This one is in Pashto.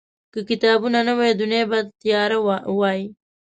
که کتابونه نه وي، دنیا به تیاره وي.